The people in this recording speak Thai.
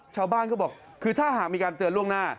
ชาวบ้านก็บอกคือถ้าหากมีการเตือนล่วงหน้า